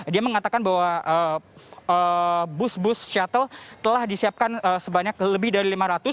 dia mengatakan bahwa bus bus shuttle telah disiapkan sebanyak lebih dari lima ratus